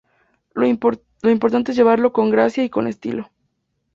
Lo importante es llevarlo con gracia y con estilo.